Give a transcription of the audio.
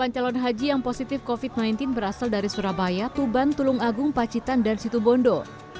delapan calon haji yang positif covid sembilan belas berasal dari surabaya tuban tulung agung pacitan dan situbondo